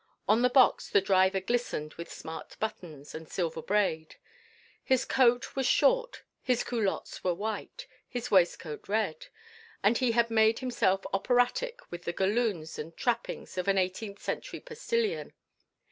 On the box the driver glistened with smart buttons and silver braid. His coat was short, his culottes were white, his waistcoat red, and he had made himself operatic with the galloons and trappings of an eighteenth century postilion.